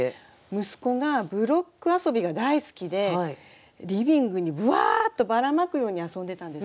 息子がブロック遊びが大好きでリビングにぶわっとばらまくように遊んでたんですね。